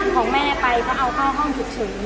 ของแม่ไปก็เอาเข้าห้องถึง